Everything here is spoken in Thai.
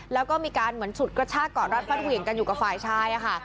แล้วก็มีการเหมือนฉุดกระชากเกาะรัดฟัดเหวี่ยงกันอยู่กับฝ่ายชายค่ะ